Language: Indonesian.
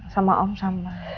sama om sama tante untuk doain